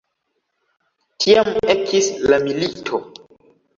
Tiam ekis la milito.